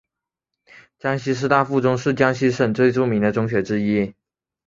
江西师大附中是江西省最著名的中学之一。